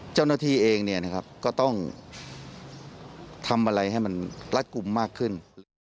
เจ้าหน้าที่เองเนี่ยนะครับก็ต้องทำอะไรให้มันรักกลุ่มมากขึ้น